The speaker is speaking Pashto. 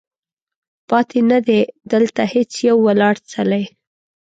پاتې نه دی، دلته هیڅ یو ولاړ څلی